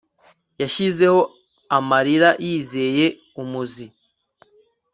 Yashizeho amarira yizeye umuzi